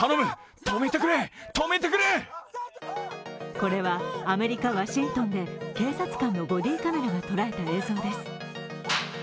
これはアメリカ・ワシントンで警察官のボディーカメラが捉えた映像です。